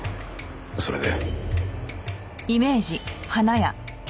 それで。